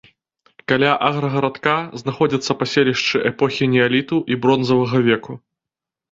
Каля аграгарадка знаходзяцца паселішчы эпохі неаліту і бронзавага веку.